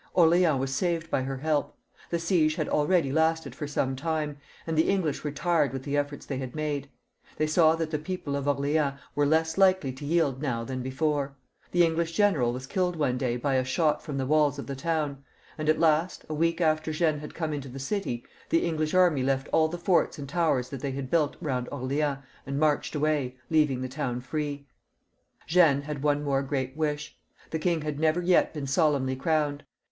Orleans was saved by her help. The siege had already lasted for some time, and the English were tired with the efforts they had made. They saw that the people of Orleans were less likely to yield now than before ; the . English general was killed one day by a shot from the walls of the town, and at last, a week after Jeanne had come into the city, the English army left all the forts and towers that they had built roand Orleans, and marched away, leaving the town free. Jeanne had one more great wish. The king had never yet been solemnly crowned.